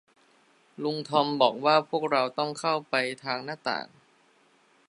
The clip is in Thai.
ลุงทอมบอกว่าพวกเราต้องเข้าไปทางหน้าต่าง